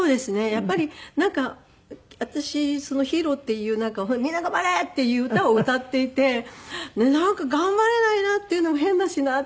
やっぱりなんか私『ヒーロー』っていう「みんな頑張れ！」っていう歌を歌っていてなんか頑張れないなっていうのも変だしなっていう。